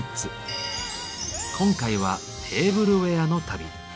今回は「テーブルウエアの旅」。